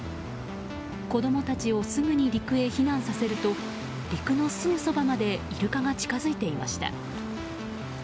子供たちをすぐ陸へ避難させると陸のすぐそばまでイルカが近づいていました。